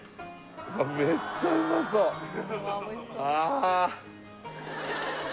めっちゃうまそうああ